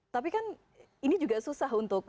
tapi kan ini juga susah untuk